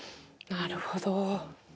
なるほど。